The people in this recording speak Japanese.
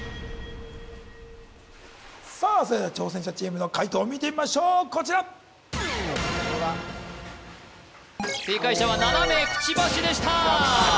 さあそれでは挑戦者チームの解答を見てみましょうこちら正解者は７名くちばしでした！